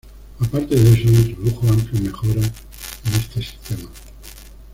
Aparte de eso, introdujo amplias mejoras en este sistema.